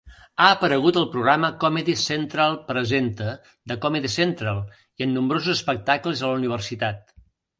Ha aparegut al programa "Comedy Central Presenta", de Comedy Central, i en nombrosos espectacles a la universitat.